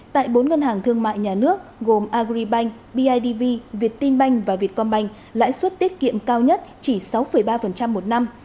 tại bốn ngân hàng thương mại nhà nước gồm agribank bidv việt tin bank và việt com bank lãi suất tiết kiệm cao nhất chỉ sáu ba một năm